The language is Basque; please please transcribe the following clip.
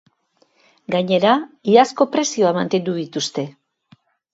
Gainera, iazko prezioak mantendu dituzte.